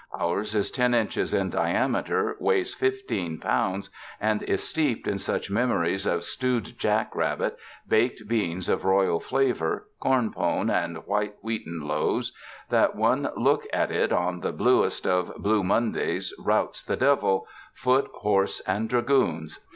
Ours is ten inches in diameter, weighs fifteen pounds, and is steeped in such memories of stewed jack rabbit, baked beans of royal flavor, corn pone and white wheaten loaves, that one look at it on the bluest of Blue Mondays routs the devil, foot, horse and dragoons.